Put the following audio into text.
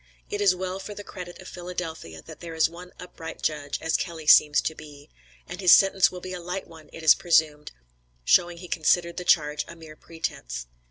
It is well for the credit of Philadelphia, that there is one upright judge, as Kelley seems to be, and his sentence will be a light one it is presumed, showing he considered the charge a mere pretence.